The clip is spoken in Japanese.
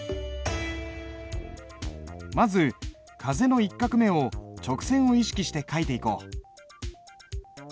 まず「風」の１画目を直線を意識して書いていこう。